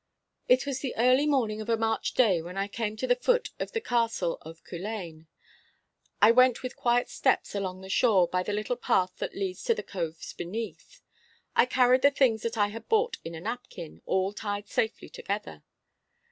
It was the early morning of a March day when I came to the foot of the Castle of Culzean. I went with quiet steps along the shore by the little path that leads to the coves beneath. I carried the things that I had bought in a napkin, all tied safely together.